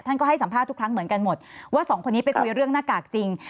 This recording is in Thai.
ก็ให้สัมภาษณ์ทุกครั้งเหมือนกันหมดว่าสองคนนี้ไปคุยเรื่องหน้ากากจริง